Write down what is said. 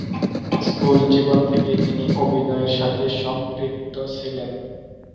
School জীবন থেকেই তিনি অভিনয়ের সাথে সম্পৃক্ত ছিলেন।